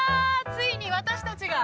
ついに私たちが。